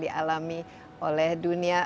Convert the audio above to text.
dialami oleh dunia